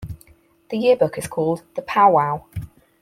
The yearbook is called the "Powwow".